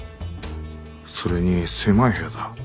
それに狭い部屋だ。